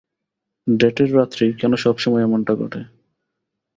Date এর রাত্রেই কেন সবসময় এমনটা ঘটে?